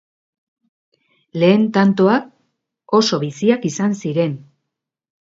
Lehen tantoak oso biziak izan ziren.